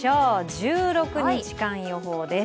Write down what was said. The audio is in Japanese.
１６日間予報です。